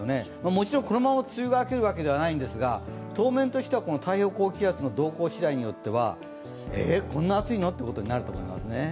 もちろんこのまま梅雨が明けるわけではないんですが当面としては太平洋高気圧の動向しだいではえ、こんな暑いの？ということになりそうですね。